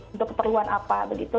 untuk keperluan apa begitu